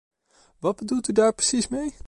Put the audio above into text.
Wat bedoelt u daar precies mee?